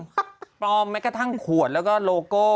ปลอมแม้กระทั่งขวดแล้วก็โลโก้